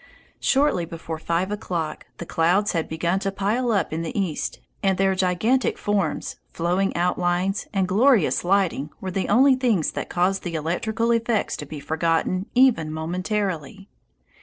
Shortly before five o'clock the clouds had begun to pile up in the east, and their gigantic forms, flowing outlines, and glorious lighting were the only things that caused the electrical effects to be forgotten even momentarily.